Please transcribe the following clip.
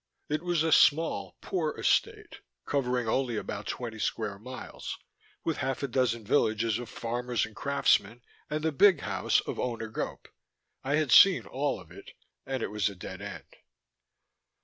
It was a small, poor Estate, covering only about twenty square miles, with half a dozen villages of farmers and craftsmen and the big house of Owner Gope. I had seen all of it and it was a dead end.